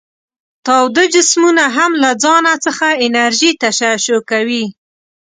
تاوده جسمونه هم له ځانه څخه انرژي تشعشع کوي.